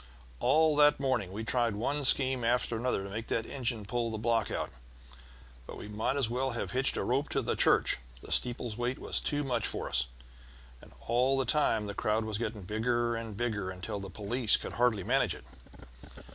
All that morning we tried one scheme after another to make that engine pull the block out, but we might as well have hitched a rope to the church; the steeple's weight was too much for us. And all the time the crowd was getting bigger and bigger, until the police could hardly manage it.